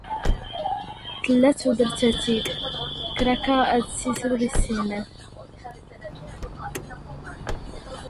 ⵜⵍⴰ ⵜⵓⴷⵔⵜ ⴰⵜⵉⴳ ⴽⵔⴰ ⴽⴰ ⴰⴷ ⵙⵉⵙ ⵓⵔ ⵉⵙⵙⵉⵏ.